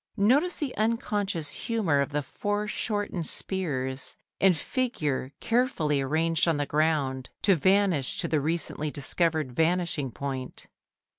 Notice the unconscious humour of the foreshortened spears and figure carefully arranged on the ground to vanish to the recently discovered vanishing point.